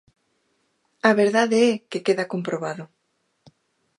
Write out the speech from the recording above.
A verdade é que queda comprobado.